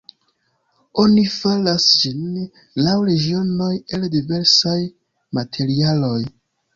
Oni faras ĝin laŭ regionoj el diversaj materialoj.